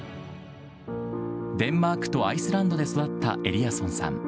デンマークとアイスランドで育ったエリアソンさん。